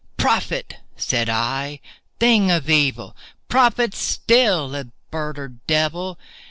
"Prophet!" said I, "thing of evil!—prophet still, if bird or devil!